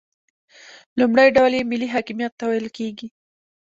لومړی ډول یې ملي حاکمیت ته ویل کیږي.